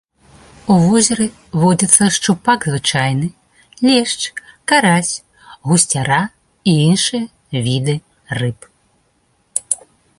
У возеры водзяцца шчупак звычайны, лешч, карась, гусцяра і іншыя віды рыб.